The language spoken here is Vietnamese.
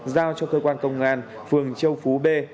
giao cho cơ quan công an phường châu phú b